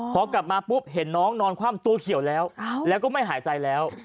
พอกลับมาปุ๊บเห็นน้องนอนคว่ำตัวเขียวแล้วแล้วก็ไม่หายใจแล้ว